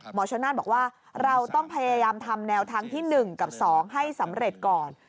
ชนนานบอกว่าเราต้องพยายามทำแนวทางที่๑กับ๒ให้สำเร็จก่อน